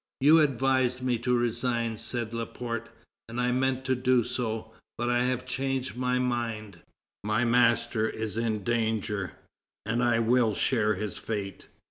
"You advised me to resign," said Laporte, "and I meant to do so, but I have changed my mind. My master is in danger, and I will share his fate."